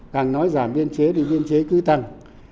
càng nói giảm biên chế thì biên chế cứ tăng